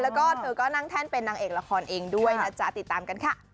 แล้วก็เธอก็นั่งแท่นเป็นนางเอกละครเองด้วยนะจ๊ะติดตามกันค่ะ